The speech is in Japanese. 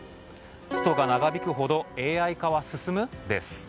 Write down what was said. ストが長引くほどＡＩ化は進む？です。